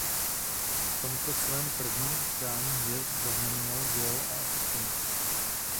V tomto svém prvním utkání hvězd zaznamenal gól a asistenci.